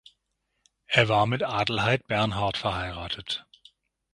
Er war mit Adelheid Bernhard verheiratet.